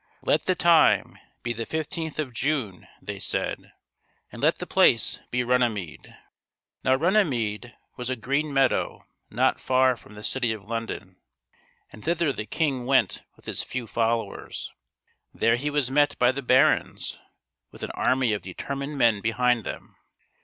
"Let the time be the 15th of June," they said, "and let the place be Runnymede." Now Runnymede was a green meadow not far from the city of London, and thither the king went with his few followers. There he was met by the barons, with an army of determined men behind them.